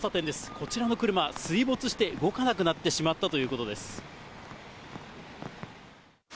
こちらの車、水没して動かなくなってしまった更に。